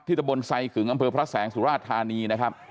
ตะบนไซขึงอำเภอพระแสงสุราชธานีนะครับ